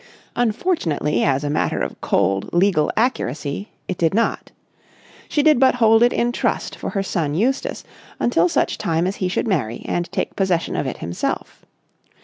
Unfortunately, as a matter of cold, legal accuracy, it did not. She did but hold it in trust for her son, Eustace, until such time as he should marry and take possession of it himself.